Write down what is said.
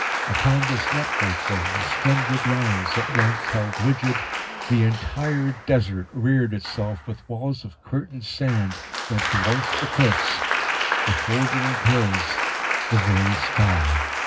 Upon this network, then, of splendid lines, at length held rigid, the entire Desert reared itself with walls of curtained sand, that dwarfed the cliffs, the shouldering hills, the very sky.